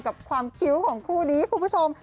กับความคิ้วของคู่นี้คุณผู้ชม